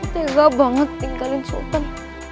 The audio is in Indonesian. tega banget tinggalin sultan